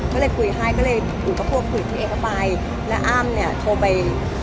ก็เลยคุยไห้ก็เลยอุห์ก็พั่วคุยกับพี่เอลแซมเข้าไป